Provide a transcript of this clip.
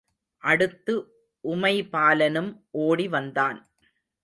அடுத்து உமைபாலனும் ஓடிவந்தான்.